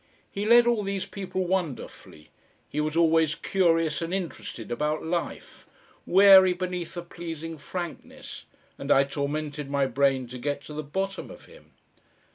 He led all these people wonderfully. He was always curious and interested about life, wary beneath a pleasing frankness and I tormented my brain to get to the bottom of him.